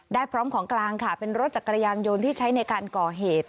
พร้อมของกลางค่ะเป็นรถจักรยานยนต์ที่ใช้ในการก่อเหตุ